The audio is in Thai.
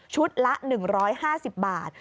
ชุดละ๑๕๐บาท